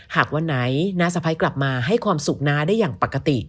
หากวันไหนน้าสะพ้ายกลับมาให้ความสุขน้าได้อย่างปกติ